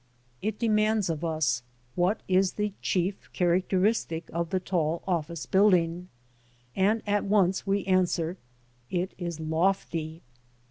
It demands of us, What is the chief characteristic of the tall office building? And at once we answer, it is lofty.